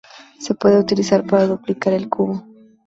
Se puede utilizar para duplicar el cubo.